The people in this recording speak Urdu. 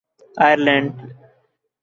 آئرلینڈ